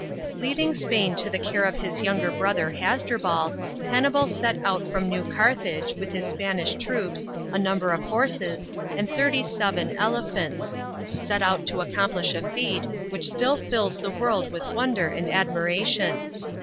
LEAVING Spain to the care of his younger brother Hasdrubal, Hannibal set out from New Carthage, with his Spanish troops, a number of horses, and thirty seven elephants set out to accomplish a feat, which still fills the world with wonder and admiration.